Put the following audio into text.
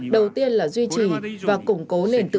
đầu tiên là duy trì và củng cố nền tự